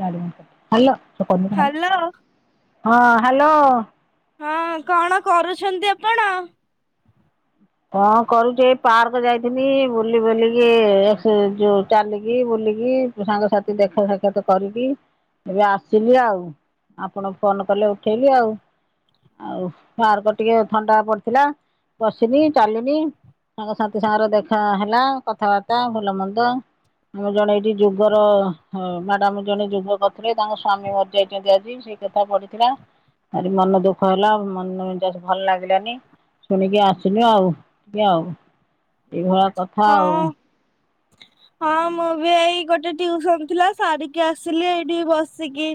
Hello ହଁ hello hello. ହଁ କଣ କରୁଛନ୍ତି ଆପଣ? କଣ କରୁଚି ଏ ପାର୍କ ଯାଇଥିନି ବୁଲି ବାଲିକି ଆସି ଯୋଉ ଚାଲିକି ବୁଲିକି ସାଙ୍ଗସାଥି ଦେଖା ସାକ୍ଷାତ କରିକି ଏବେ ଆସିଲି ଆଉ। ଆପଣ ଫୋନ କଲେ ଉଠେଇଲି ଆଉ ଆଉ ପାର୍କ ଟିକେ ଥଣ୍ଡା ପଡିଥିଲା। ଠିନି ଚାଲିନି ସାଙ୍ଗସାଥି ସାଙ୍ଗରେ ଦେଖା ହେଲା କଥାବାର୍ତ୍ତା ଭଲ ମନ୍ଦ। ମୋ ଜଣେ ଏଇଠି ଯୁଦ୍ଧ ର ମ୍ୟାଡାମ ହ ଜଣେ ଯୁଦ୍ଧ କରୁଥିଲେ ତାଙ୍କ ସ୍ଵାମୀ ମରି ଯାଇଚନ୍ତି ଆଜି ସେ [unintelligible] ପଢିଥିଲା। ଭାରି ମନ ଦୁଃଖ ହେଲା ମନ ମିଜାଜ ଭଲ ଲାଗିଲାନି ଶୁଣିକି ଆସ ଶୂନ୍ୟ ଆଉ କିଏ ଆଉ ଏଇଭଳିଆ କଥା ଆଉ। ହଁ ହଁ ମୁଁ ବି ଏଇ ଗୋଟେ ଟିଉସନ ଥିଲା ସାରିକି ଆସିଲି ଏଇଠି ବସିକି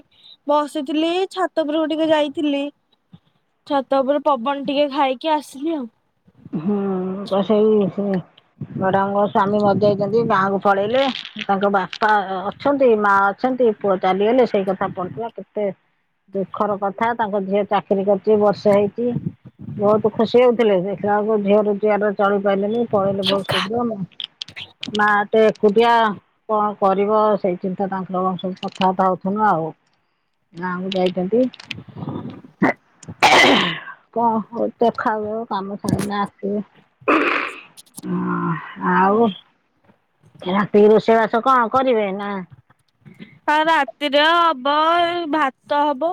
ବସିଥିଲି ଛାତ ଉପରକୁ ଟିକେ ଯାଇଥିଲି। ଛାତ ଉପରେ ପବନ ଟିକେ ଖାଇକି ଆସିଲି ଆଉ। ହୁଁ କ ସେଇ ସେ ମ୍ୟାଡ଼ାମ ଙ୍କ ସ୍ଵାମୀ ମରିଯାଇ ଚନ୍ତି ଗାଁକୁ ପଳେଇଲେ ତାଙ୍କ ବାପା ଅ ଅଛନ୍ତି ମା ଅଛନ୍ତି ପୁଅ ଚାଲିଗଲେ ସେଇ କଥା ପଡିଥିଲା କେତେ ଦୁଃଖର କଥା ତାଙ୍କ ଝିଅ ଚା ଚାକିରି କରିଚି ବର୍ଷେ ହେଇଚି ବହୁତ ଖୁସି ହଉଥିଲେ ଦେଖିଲା ବେଳକୁ ଝିଅ ରୋଜଗାର ଚଳି ପାରିଲେନି ପଳେଇଲେ ବହୁତ୍ ଶୀଘ୍ର ମା ସେ ଏକୁଟିଆ କଣ କରିବ ସେଇ ଚିନ୍ତା ତାଙ୍କର ଆମେ ସବୁ କଥାବାର୍ତ୍ତା ହଉଥିନୁ ଆଉ। ଗାଁ କୁ ଯାଇଚନ୍ତି କଣ ହ ଦେଖାଯାଉ କାମ ହଁ ଆଉ ରାତି ରୋଷେଇବାସ କଣ କରିବେ ନା ଆଉ ରାତିରେ ହବ, ଭାତ ହବ।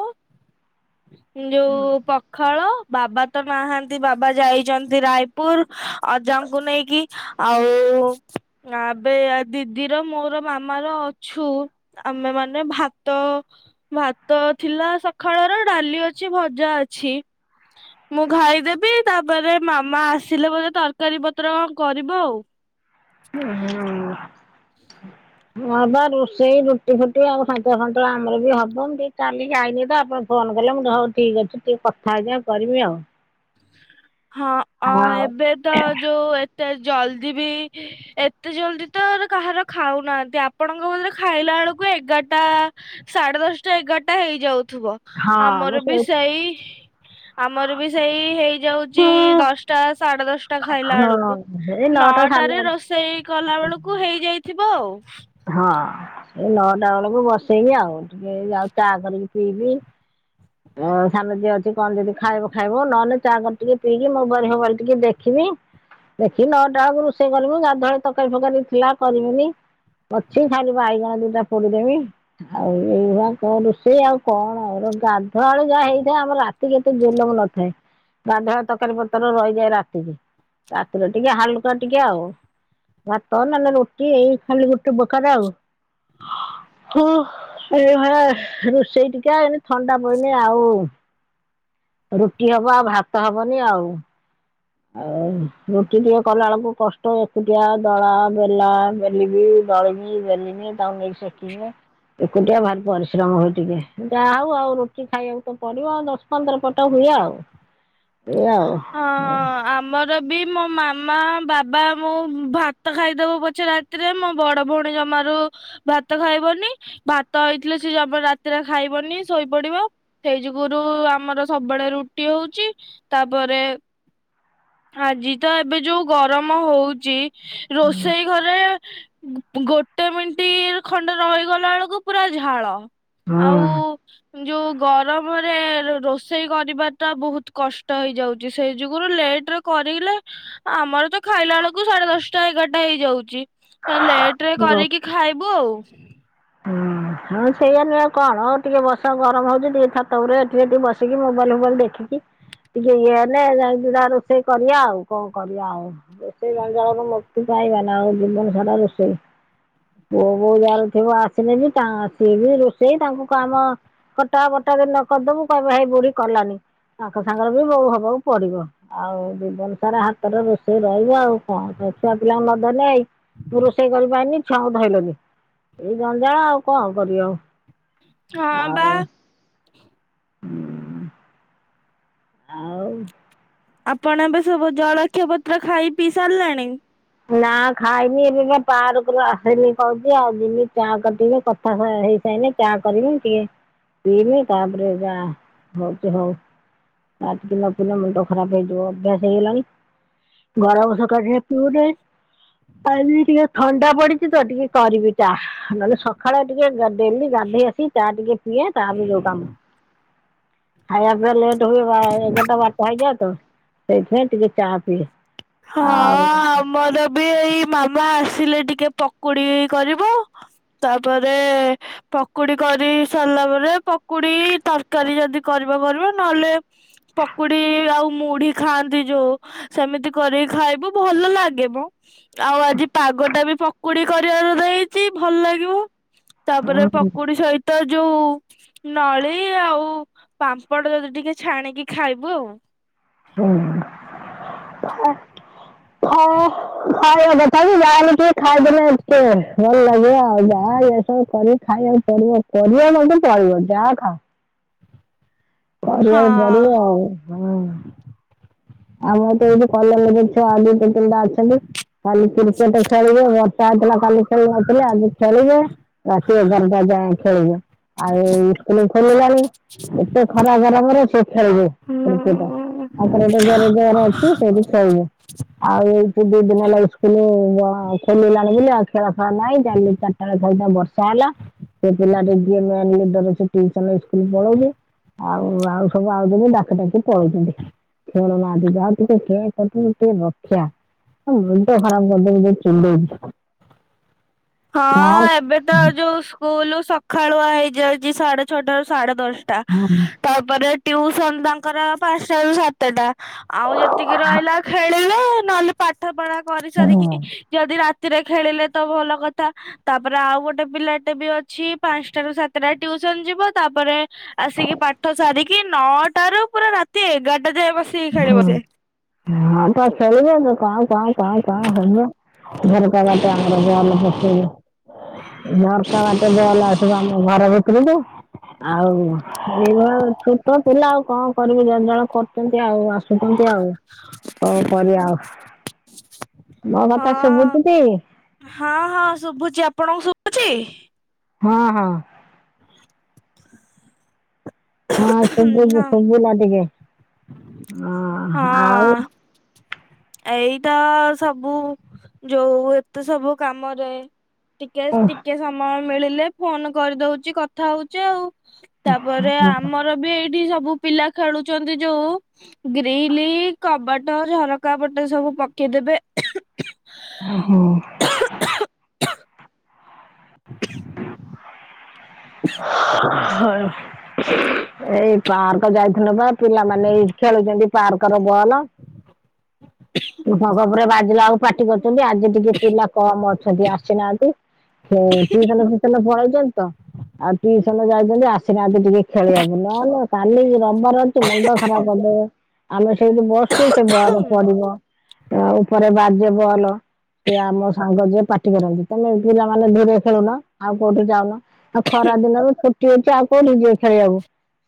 ଯୋଉ ପଖାଳ ବାବା ତ ନାହାନ୍ତି ବାବା ଯାଇଛନ୍ତି ରାୟପୁର ଅଜାଙ୍କୁ ନେଇକି। ଆଉ ଏବେ ଦିଦିର ମୋର ମାମା ର ଅଛୁ। ଆମେ ମାନେ ଭାତ, ଭାତ ଥିଲା ସଖାଳର ଡାଲି ଅଛି, ଭଜା ଅଛି। ମୁଁ ଖାଇଦେବି ତାପରେ ମାମା ଆସିଲେ ବୋଧେ ତରକାରୀ ପତ୍ର କଣ କରିବ ଆଉ। ହୁଁ ହୁଁ। [inaudible] ହଁ ବା ରୋଷେଇ ରୁଟି ଫୁଟି ଆଉ ସନ୍ତୁ ସନ୍ତୁଳା ଆମର ବି ହବନ ଟିକେ ଚାଲି ଯାଇନି ତ ଆପଣ ଫୋନ କଲେ ମୁଁ ହଉ ଠିକ ଅଛି ଟିକେ କଥା ହେଇଯାଏ କରିବି ଆଉ। ହଁ ଆ ଆଉ ଏବେ ତ ଯୋଉ ଏତେ ଜଲଦି ବି ଏତେ ଜଲଦି ତ କାହାର ଖାଉନାହାନ୍ତି ଆପଣଙ୍କ ବୋଧେ ଖାଇଲା ବେଳକୁ ଏଗାରଟା ସାଢେ ଦଶଟା ଏଗାରଟା ହେଇଯାଉଥିବ। ହଁ ମୁଁ ଆମର ବି ସେଇ ଆମର ବି ସେଇ ହେଇ ଦଶଟା ସାଢେ ଦଶଟା ଖାଇଲା ହଁ ବେଳକୁ ନଅଟା ରେ ରୋଷେଇ କଲା ବେଳକୁ ହେଇଯାଇଥିବ ଆଉ। ହଁ ସେ ନଅଟା ବେଳକୁ ବସେଇବି ଆଉ। ଟିକେ ଆଉ ଚା କରିକି ପିଇବି ଆଉ ସାନ ଝିଅ ଅଛି। କଣ ଯଦି ଖାଇବ ଖାଇବ ନହେଲେ ଚାହା କପ ଟିକେ ପିଇକି ମୁଁ ବାର ହାର ଟିକେ ଦେଖିବି। ଦେଖି ନଟା ବେଳକୁ ରୋଷେଇ କରିବୁ ଗାଧୁଆଉଳି ତରକାରୀ ଫକୀ ଥିଲା କରିବୁନି। ଅଛି ଖାଲି ବାଇଗଣ ଦିଇଟା ପୋଡିଦେବି। ଆଉ ଏଇଭଆ କ ରୋଷେଇ ଆଉ କଣ ଆଉ ଗାଧୁଆଳ ଯାହା ହେଇଥାଏ ଆମର। [inaudible] ଜଲମ ନଥାଏ ଗାଧୁଆ ତରକାରୀ ପତ୍ର ରହିଯାଏ ରାତିରେ, ରାତିରେ ଟିକେ ହାଲୁକା ଟିକେ ଆଉ। ଭାତ ନହେଲେ ରୋଟି ଏଇ ଖାଲି ଏପ୍ରକାର ଆଉ ହ ଏଭଳିଆ, ରୋଷେଇ ଟିକେ ଥଣ୍ଡା ପାଇଲେ ଆଉ, ରୁଟି ହବ ଆଉ ଭାତ ହବନି ଆଉ। ଆଉ ଗୋଟି ଟିକେ କଲା ବେଳକୁ କଷ୍ଟ ଏକୁଟିଆ ଦଳା ବେଲା, ବେଲିବି, ଦଳିବି, ବେଲିମି। ତାକୁ ନେଇକି ସେକିଦିଏ। ଏକୁଟିଆ ଭାରି ପରିଶ୍ରମ ହଉଛି ଟିକେ, ଯାହା ହଉ ଆଉ ରୁଟି ଖାଇବାକୁ ତ ପଡିବ ଆଉ। ଦ ପନ୍ଦରପଟ ହୁଏ ଆଉ। ଏଇଆ ଆଉ ହ। ଆମର ବି ମୋ ମାମା ବାବା ମୁଁ ଭାତ ଖାଇଦବୁ ପଛେ ରାତି ରେ ମୋ ବଡ ଭଉଣୀ ଜମାରୁ ଭାତ ଖାଇବନି ଭାତ ହେଇଥିଲେ ସେ ଜମ ରାତିରେ ଖାଇବନି ଶୋଇପଡିବ। ସେଇ ଯୁଗୁରୁ ଆମର ସବୁବେଳେ ରୁଟି ହଉଛି। ତାପରେ ଆଜି ତ ଏବେ ଯୋଉ ଗରମ ହଉଛି ରୋଷେଇ ଘରେ ଗୋଟେ ମିନିଟ ଖଣ୍ଡ ରହିଗଲା ବେଳକୁ ପୁରା ଝାଳ। ଆଉ ହଁ ଯୋଉ ଗରମରେ ରୋଷେଇ କରିବା ଟା ବହୁତ କଷ୍ଟ। ହେଇଯାଉଛି ସେଇ ଯୁଗରୁ ଲେଟ ରେ କରିଲେ ଆମର ତ ଖାଇଲା ବେଳକୁ ସାଢେ ଦଶଟା ଏଗାରଟା ହେଇଯାଉଛି। ଲେଟରେ କରିକି ଖାଇବୁ ଆଉ। ହୁଁ ହଁ ସେଇଆ ନୁହଁ କଣ ଆଉ ଟିକେ ବସ ଗରମ ହଉଛି ଟିକେ ଛାତ ଉପରେ ଏଠିକି ଏଠି ବସିକି ମୋବାଇଲ ଫୋବାଇଲ ଦେଖିକି ଟିକେ ଇଏ ହେଲେ ଯାଇକୀ ରୋଷେଇ କରିବା ଆଉ କଣ କରିବା ଆଉ। ରୋଷେଇ ସଞ୍ଚାଳରୁ ମୁକ୍ତି ପାଇବ ନା ଆଉ ଜୀବନ ସାରା ରୋଷେଇ। ପୁଅ ବୋଉ ଯାର ଥିବ ଆସିଲେ ବି ତା ସିଏ ବି ରୋଷେଇ ତାଙ୍କୁ କାମ କଟା ବଟା ନ କରିଦବୁ କହିବେ ହେ ବୁଢୀ କଲାନି ତାଙ୍କ ସାଙ୍ଗରେ ବି ବୋଉ ହବାକୁ ପଡିବ। ଆଉ ଜୀବନ ସାରା ହାତରେ ରୋଷେଇ ରହିବ ଆଉ କଣ ଛୁଆ ପିଲାଙ୍କୁ ନ ଧରିଲେ ଏ ରୋଷେଇ କରିପାରନି ଛୁଆଙ୍କୁ ଧଇଲନି? ଏଇ ଜଞ୍ଜାଳ ଆଉ କଣ କରିବ? ହଁ ବା। ଆଉ ଆପଣ ଏବେ ସବୁ ଜଳଖିଆ ପତ୍ର ଖାଇ ପିଇ ସାରିଲାଣି? ନା ଖାଇନି ଏବେକା ପାର୍କରୁ ଆସନି ଖଉଛି ଆଉ ଦିନି ଚା କଟିବେ [unintelligible] [unintelligible] ହେଇ ସାଇନେ ଚା କରିବି ଟିକେ ପିମି ତାପରେ ଯା ହଉଛି ହଉ। ରାତି ନ ପିଲେ ମୁଣ୍ଡ ଖରାପ ହେଇଯିବ ଅଭ୍ୟାସ ହେଇଗଲାଣି। ଗରମ ସକାଶେ ପିଉନି। କାଲି ଟିକେ ଥଣ୍ଡା ପଡିଛି ତ ଟିକେ କରିବି ଚା ନହେଲେ ସକାଳେ ଟିକେ [unintelligible] ଡେଲି ଗାଧେଇ ଆସି ଚା ଟିକେ ପିଏ ତା ପରେ ଯୋଉ କାମ। ଖାଇବା ପିଇବା ଲେଟ୍ ହୁଏ ବା ଏଗାରଟା ବାରଟ ହେଇଯାଅ ତ ସେଇଥିପାଇଁ ଟିକେ ଚା ପିଏ। ହଁ ଆଉ ଆମର ବି ଏଇ ମାମା ଆସିଲେ ଟିକେ ପକୁଡି କରିବ। ତାପରେ ପକୁଡି କରି ସାରିଲା ପରେ ପକୁଡି ତରକାରୀ ଯଦି କରିବ ଭଲ ନହେଲେ ପକୁଡି ଆଉ ମୁଢି ଖାଆନ୍ତି ଯୋଉ ସେମିତି କରିକି ଖାଇବୁ ଭଲ ଲାଗିବ ଆଉ ଆଜି ପାଗ ଟା ବି ପ ପକୁଡି କରିବାର ଦେଇଛି ଭଲ ଲାଗିବ ତାପରେ ପକୁଡି ସହିତ ଯୋଉ ନଳି ଆଉ ପାମ୍ପଡ଼ ଯଦି ଟିକେ ଛାଣିକି ଖାଇବୁ ଆଉ ହୁଁ ହଉ। ଖାଇବା କଥା ବିି ଯାହାଲେ ଟିକେ ଖାଇଦେଲେ [unintelligible] ଭଲ ଲାଗିବ ଆଉ ଯାହା ହେଇଥାଉ କରିକି ଖାଇବାକୁ ପଡିବ କରିବାକୁ ପଡିବ ଯାହା ଖାଅ। କରିବାକୁ ହଁ ପଡିବ ଆଉ ହଁ। ଆମର ତ ଏଇଠି କଲେଜ ଛୁଆ ଦି ତିନିଟା ଅଛନ୍ତି କାଲି କ୍ରିକେଟ ଖେଳିବେ ବର୍ଷା ହେଇଥିଲା କାଲି ଖେଳି ନଥିଲେ ଆଜି ଖେଳିବେ ରାତି ଏଗାରଟା ଯାଏ ଖେଳିବେ। ଆଉ ଏଇ ସ୍କୁଲ ଖୋଲିଲାଣି। [inaudible] ଏତେ ଖରା ଗରମରେ ସେ ଖେଳିବ କ୍ରିକେଟ ହୁଁ। [unintelligible] ଅଛୁ ସେ [unintelligible] ହୁଁ। ଆଉ ଏଇଠୁ ଦି ଦିନ ହେଲା ସ୍କୁଲ ଅ ଖୋଲିଲାଣି ବୋଲି ଆଉ ଖେଳ ଫେଳ ନାହିଁ ଜା [unintelligible] [unintelligible] ବର୍ଷା ହେଲା ସେ ପିଲା ଯିଏ ମେନ ଲିଡର ସିଏ ଟିଉସନ ଇସ୍କୁଲ ପଳଉଛି। ଆଉ ଆଉ ସବୁ ଆଉଚନ୍ତି ଡାକି ଡ଼ାକି ପଳଉଛନ୍ତି। ଶୁଣୁନାହାନ୍ତି ଯାହା, ଟିକେ କେଁକଟରୁ ଟିକେ ରକ୍ଷା, ତମ ମୁଣ୍ଡ ଖରାପ କରିଦେବେ ଯୋଉ ଫୁଲେଇ ହଁ ଏବେ ତ ଯୋଉ ସ୍କୁଲ ସକାଳୁଆ ହେଇଯାଇଛି ସାଢେ ଛଅଟା ରୁ ସାଢେ ଦଶ ଟା ହଁ ତାପରେ ଟ୍ୟୁସନ ତାଙ୍କର ପାଞ୍ଚଟା ରୁ ସାତେଟା। ଆଉ ଯେତିକି ରହିଲା ଖେଳିଲେ ନହେଲେ ପାଠ ପଢା କରି ସାରିକି ଯଦି ରାତିରେ ଖେଳିଲେ ତ ଭଲ କ ତାପରେ ଆଉ ଗୋଟେ ପିଲାଟେ ବି ଅଛି ପାଞ୍ଚଟାରୁ ସାତଟା ଟ୍ୟୁସନ ଯିବ ତାପରେ ଆସିକି ପାଠ ସାରିକି ନଅଟାରୁ ପୁରା ରାତି ଏଗାରଟା ଯାଏ ବ ହୁଁ [unintelligible] କ କ କଣ ହବ ଘରକବାଟେ ଆମର ବଲ ପକେଇବ। ଝରକା ବାଟେ ବଲ ଆସିବ ଆମ ଘର ଭିତରକୁୁ ଆଉ ଏଇବା ଛୋଟ ପିଲା ଆଉ କଣ କରିବି ଜଞ୍ଜାଳ କରୁଛନ୍ତି ଆଉ ଆସ ଆସୁଛନ୍ତି ଆଉ କଣ କରିବା ଆଉ। ମୋ ହଁ କଥା ଶୁଭୁଛିଟି? ହଁ ହଁ ଶୁଭୁଛି ଆପଣଙ୍କୁ ଶୁଭୁଛି? ହଁ ହଁ। [inaudible] ହଁ ଶୁୁ ଶୁବୁଲା ଟିକେ ହଁ ଆଉ ଏଇତ ସବୁ ଯୋଉ ଏତେ ସବୁ କାମରେ ଟିକେ ଟିକେ ସମୟ ମିଳିଲେ ଫୋନ କରିଦଉଛି କଥା ହଉଛି ଆଉ। ତାପରେ ଆମର ଏଇଠି ସବୁ ପିଲା ଖେଳୁଛନ୍ତି ଯୋଉ ଗ୍ରିଲି କବାଟ ଝର ଟେକା ପଥର ସବୁ ପକେଇଦେବେ ହୁଁ। [inaudible] [inaudible] ଏଇ ପାର୍କ ଯାଇଥିଲୁ ବା ପିଲାମାନେ ଏଇ ଖେଳୁଛନ୍ତି। ପାର୍କର ବଲ ଭଗବରେ ବାଜିଲା ଆଳକୁ ପାଟି କରୁଛନ୍ତି ଆଜି ଟିକେ ପିଲା କମ ଅଛନ୍ତି ଆସିନାହାନ୍ତି ହୁଁ ନ ପଳେଇଛନ୍ତି ଆଉ ଟ୍ୟୁସନ ଯାଇଛନ୍ତି ଆସିନାହାତି ଟିକେ ଖେଳିବାକୁ ନହେଲେ କାଲି ରବିବାର ଅଛି ମୁଣ୍ଡ ଖରାପ କରିଦେବେ। ଆମେ ସେଇଠି ବସୁ ସେ ବଲ ହଁ। ପଡିବ ଅ ଉପରେ ବାଜେ ବଲ। ସିଏ ଆମ ସାଙ୍ଗ ଯିଏ ପାଟି କରନ୍ତି ତମେ ପିଲାମାନେ ଦୂରେ ଖେଲୁନ ଆଉ କୋଉଠି ଯାଉନ? ଆଉ ଖରା ଦିନରୁ ଛୁଟି ଅଛି ଆଉ କୋଉଠିକି ଯିବେ ଖେଳିବାକୁ।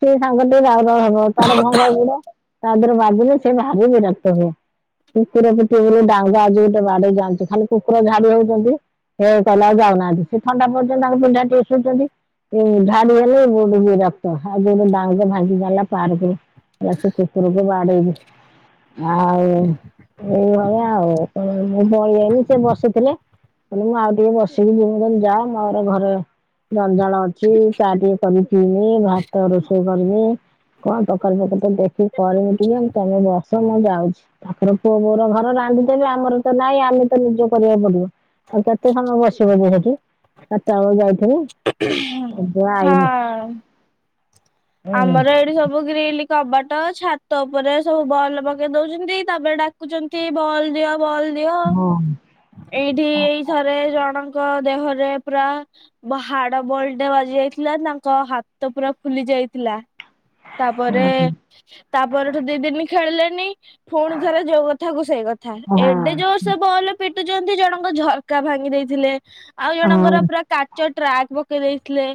ସେ ସାଙ୍ଗ ଟିକେ ତାର ରାଉ ରୁ ହବ ତାର ଭଙ୍ଗା ଗୁଡା ତା ଦେହରେ ବାଜିଲେ ସେ ଭାରି ବିରକ୍ତ ହୁଏ। କୁକୁର ପିଠି ଉପରେ ଡାଙ୍ଗ ଆଜି ଗୋଟେ ବାଡେଇ ଯାଆନ୍ତୁ ଖାଲି କୁକୁର ଝାଡ଼ି ହଉଛନ୍ତି ସେ କହିଲା ଆଉ ଯାଉନାହାନ୍ତି ସେ ଥଣ୍ଡା ପଡୁଛନ୍ତି ତାଙ୍କ ପିଣ୍ଡାରେ ଟିକେ ଶୋଉଛନ୍ତି ହୁଁ ଝାଡୁ ହେଲେ ବହୁତ ବିରକ୍ତ ହଁ ଯଦି ବାହୁଙ୍ଗା ଭାଙ୍ଗିଦେଲା ପାର୍କ ରୁ ଆ ସେ କୁକୁରକୁ ବାଡେଇବି ଆଉ ଏ ଭଳିଆ ଆଉ ମୁଁ ଗଲାବେଳକୁ ସେ ବସିଥିଲା। ମୁଁ ଆଉ ଟିକେ ବସିକି ଯିବି ମୁଁ କହିଲି ଯା ମର ଘରେ ଜଞ୍ଜାଳ ଅଛି ଚା ଟିକେ କରିକିି ପିଇବି ଭାତ ରୋଷେଇ କରିବି କଣ ତରକାରୀ ପତର ଟିଏ ଦେଖିକି କରିବି ଟିକେ ତମେ ଯା ତ ମୁଁ ଯାଉଛି ତାଙ୍କର ପୁଅ ବୋଉର ଘର ରାନ୍ଧି ଦେବେ ଆମର ତ ନାଇଁ ଆମେ ତ ନିଜେ କରିବାକୁ ପଡିବ। ଆଉ କେତେ ସମୟ ବସିବ କି ସେଠି ଆଉ ତଳୁ ଯାଇ ହଁ ଆମର ଏଠି ସବୁ ଗିଲ୍ କବାଟ ଛାତ ଉପରେ ସବୁ ବଲ୍ ପକେଇ ଦଉଛନ୍ତି ତାପରେ ଡାକୁଛନ୍ତି ବଲ୍ ଦିଅ ବଲ ଦିଅ ହଁ ଏଇଠି ଏଇ ଥରେ ଜଣଙ୍କ ଦେହରେ ପୁରା ବା ହାଡ ବଲ ଟା ବାଜି ଯାଇଥିଲା ତାଙ୍କ ହାତ ପୁରା ଫୁଲି ଯାଇଥିଲା। ତାପରେ ହଁ ତା ପରଠୁ ଦି ଦିନ ଖେଳିଲେନି ପୁଣି ଥରେ ଯୋଉ କଥା କୁ ସେଇ କଥା ଏବେ ଯୋଉ ସେ ବଲ ପିଟୁଛନ୍ତି ଜଣଙ୍କ ଝରକା ଭାଙ୍ଗି ଦେଇଥିଲେ ଆଉ ହଁ ଜଣଙ୍କର ପୁରା କାଚ ଟ୍ରାକ୍ ପକେଇ ଦେଇଥିଲେ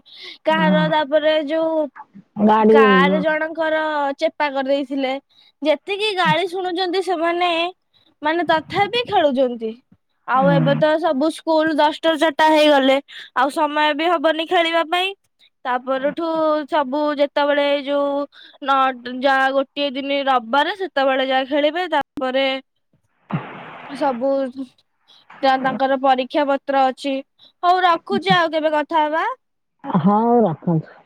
କାହାର ତାପରେ ଯୋଉ ମା [unintelligible] କାର ଜଣଙ୍କର ଚେପା କରିଦେଇଥିଲେ ଯେତିକି ଗାଳି ଶୁଣୁଛନ୍ତି ସେମାନେ ମାନେ ତଥାପି ଖେଳୁଛନ୍ତି ଆଉ ଏବେ ତ ସବୁ ସ୍କୁଲ ଦଶଟାରୁ ଚାରିଟା ହେଇଗଲେ ଆଉ ସମୟ ବି ହବନି ଖେଳିବା ପାଇଁ। ତା ପରଠୁ ସବୁ ଯେ- ଯେତେବେଳେ ଯୋଉ ନ ଯାହା ଗୋଟିଏ ଦିନି ରବିବାରେ ସେତେବେଳେ ଯାହା ଖେଳିବେ ତା ପରେ ସବୁ ତା ତାଙ୍କର ପରୀକ୍ଷା ପ ପତ୍ର ଅଛି ହଉ ରଖୁଛି ଆଉ କେବେ କଥା ହବା। ହୋଉ ରଖନ୍ତୁ।